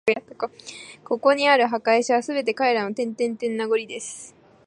ここにある墓石は、すべて彼らの…名残です